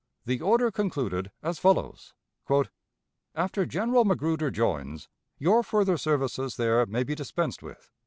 The order concluded as follows: "After General Magruder joins, your further services there may be dispensed with.